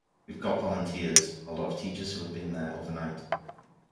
We’ve got volunteers, a lot of teachers who have been there overnight.